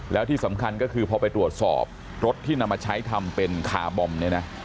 แล้วที่สำคัญก็คือพอไปตรวจสอบรถที่นำมาใช้ทำเป็นคาร์บอมเนี่ยนะ